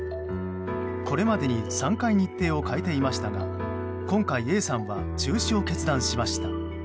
これまでに３回日程を変えていましたが今回Ａさんは中止を決断しました。